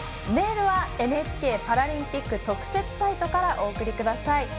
メールはＮＨＫパラリンピック特設サイトからお送りください。